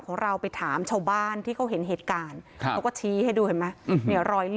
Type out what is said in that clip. คือลูกชายนี่ก็ยอมรับผิดใช่มั้ย